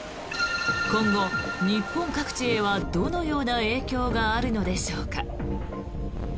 今後、日本各地へはどのような影響があるのでしょうか。